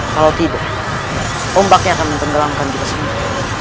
kalau tidak ombaknya akan mentenggelamkan kita semua